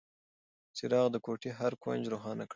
څراغ د کوټې هر کونج روښانه کړ.